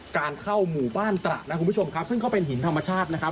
การเข้าหมู่บ้านตระนะคุณผู้ชมครับซึ่งก็เป็นหินธรรมชาตินะครับ